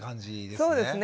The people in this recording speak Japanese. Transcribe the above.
そうですね。